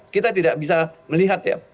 kita tidak bisa melihat ya